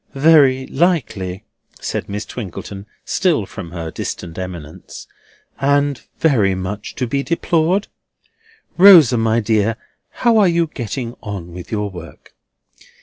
"Very likely," said Miss Twinkleton, still from her distant eminence; "and very much to be deplored.—Rosa, my dear, how are you getting on with your work?"